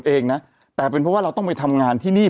เอาอย่างงี้